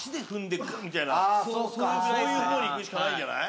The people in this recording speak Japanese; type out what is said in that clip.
そういうふうに行くしかない。